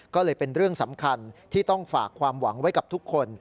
ก็เลยเป็นเรื่องสำคัญที่ต้องฝากความหวังไว้กับทุกคน